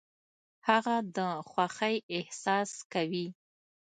هغه د خوښۍ احساس کوي .